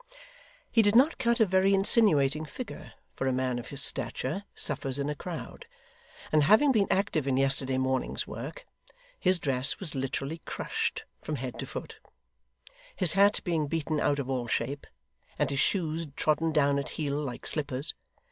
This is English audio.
He did not cut a very insinuating figure, for a man of his stature suffers in a crowd; and having been active in yesterday morning's work, his dress was literally crushed from head to foot: his hat being beaten out of all shape, and his shoes trodden down at heel like slippers.